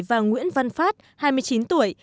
và nguyễn văn phát hai mươi chín tuổi